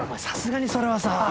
さすがにそれはさ。